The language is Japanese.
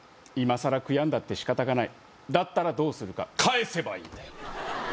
いまさら悔やんだって仕方がないだったらどうするか返せばいいんだよ